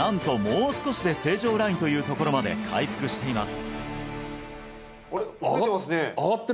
もう少しで正常ラインというところまで回復していますあれ？